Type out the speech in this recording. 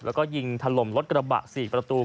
และยิงถล่มรถกระบะสี่ประตู